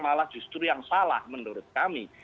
malah justru yang salah menurut kami